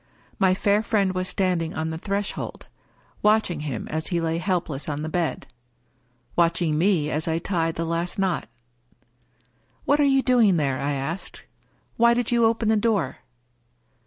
My fair friend was standing on the threshold — watching him as he lay helpless on the bed ; watching me as I tied the last knot. " What are you doing there ?" I asked. " Why did you open the door?"